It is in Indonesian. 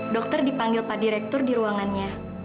dokter dipanggil pak direktur di ruangannya